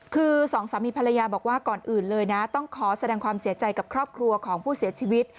คือสองสามีภรรยาบอกว่าก่อนอื่นเลยนะต้องขอแสดงความเสียใจกับครอบครัวของผู้เสียชีวิต